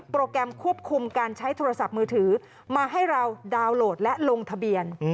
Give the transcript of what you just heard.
แกรมควบคุมการใช้โทรศัพท์มือถือมาให้เราดาวน์โหลดและลงทะเบียน